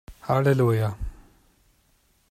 Halleluja!